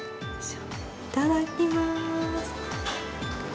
いただきます。